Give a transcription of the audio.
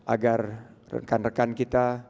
agar rekan rekan kita